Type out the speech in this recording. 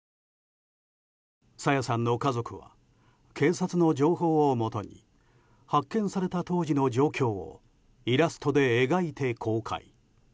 朝芽さんの家族は警察の情報をもとに発見された当時の状況をイラストで描いて公開。